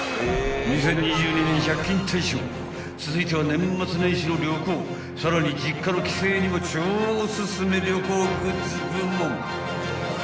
［続いては年末年始の旅行さらに実家の帰省にも超おすすめ旅行グッズ部門］